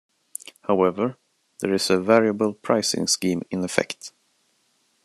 However, there is a variable pricing scheme in effect.